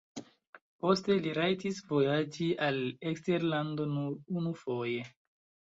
Poste li rajtis vojaĝi al eksterlando nur unufoje.